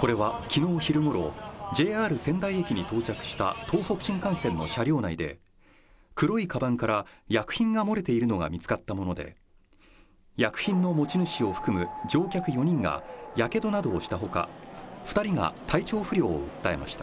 これはきのう昼ごろ、ＪＲ仙台駅に到着した東北新幹線の車両内で、黒いかばんから薬品が漏れているのが見つかったもので、薬品の持ち主を含む乗客４人がやけどなどをしたほか、２人が体調不良を訴えました。